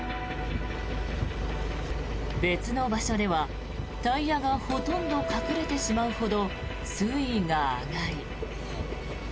別の場所では、タイヤがほとんど隠れてしまうほど水位が上がり。